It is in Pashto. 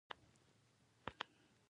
دا ځای در معلومیږي هیواد والو کوم ځای ده؟